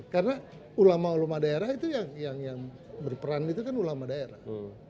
karena ulama ulama daerah itu yang berperan itu kan ulama daerah